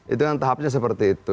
itu yang tahapnya seperti itu